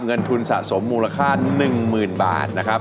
เงินทุนสะสมมูลค่า๑๐๐๐บาทนะครับ